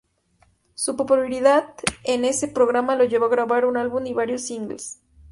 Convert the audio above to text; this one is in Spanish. Su popularidad en ese programa lo llevó a grabar un álbum y varios singles.